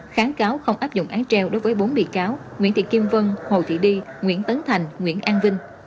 kháng cáo không áp dụng án treo đối với bốn bị cáo nguyễn thị kim vân hồ thị đi nguyễn tấn thành nguyễn an vinh